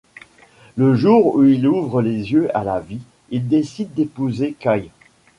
Le jour où il ouvre les yeux à la vie, il décide d'épouser Kay.